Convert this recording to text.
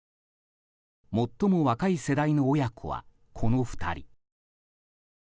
最も若い世代の親子はこの２人。